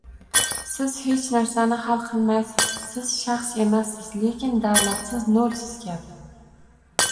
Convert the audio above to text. Siz hech narsani hal qilmaysiz, siz shaxs emassiz, lekin davlatsiz nolsiz kabi